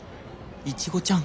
イチゴちゃん。